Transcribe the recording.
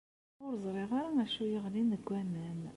Ur zṛiɣ ara acu yeɣlin deg waman.